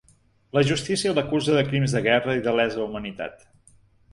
La justícia l’acusa de crims de guerra i de lesa humanitat.